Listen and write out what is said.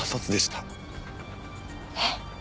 えっ？